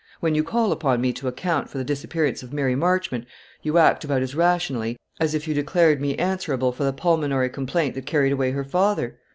When you call upon me to account for the disappearance of Mary Marchmont, you act about as rationally as if you declared me answerable for the pulmonary complaint that carried away her father.